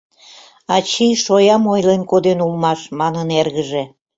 «Ачий шоям ойлен коден улмаш», — манын эргыже.